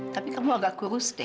tapi kamu agak kurus deh